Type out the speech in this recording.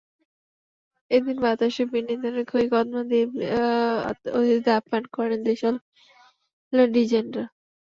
এদিন বাতাসা, বিন্নি ধানের খই, কদমা দিয়ে অতিথিদের আপ্যায়ন করেন দেশালের ডিজাইনাররা।